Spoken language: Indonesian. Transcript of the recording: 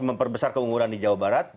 memperbesar keungguran di jawa barat